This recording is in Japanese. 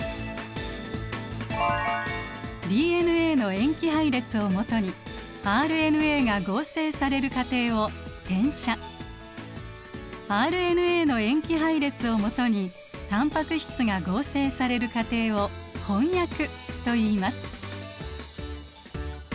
ＤＮＡの塩基配列をもとにＲＮＡが合成される過程を「転写」ＲＮＡの塩基配列をもとにタンパク質が合成される過程を「翻訳」といいます。